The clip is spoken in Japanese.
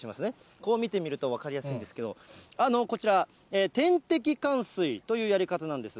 ここ見てみると分かりやすいんですけれども、こちら、点滴かん水というやり方なんです。